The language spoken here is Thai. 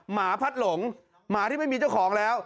หมาพัดหลงหมาที่ไม่มีเจ้าของแล้ว